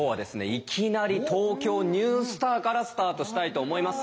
いきなり「ＴＯＫＹＯニュースター」からスタートしたいと思います。